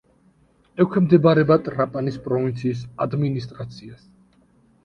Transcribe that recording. ექვემდებარება ტრაპანის პროვინციის ადმინისტრაციას.